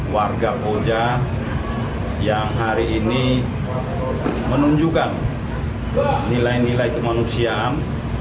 warga boja yang hari ini menunjukkan nilai nilai kemanusiaan